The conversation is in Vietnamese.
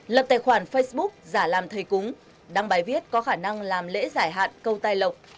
lập tài khoản facebook giả làm thầy cúng đăng bài viết có khả năng làm lễ giải hạn câu tai lộc